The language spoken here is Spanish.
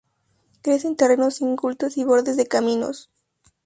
Crece en terrenos incultos y bordes de caminos.